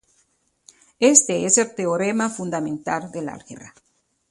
Éste es el teorema fundamental del álgebra.